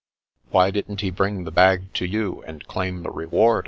" Why didn't he bring the bag to you, and claim the reward